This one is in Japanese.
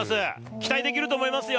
期待できると思いますよ。